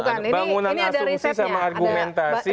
bangunan asumsi sama argumentasi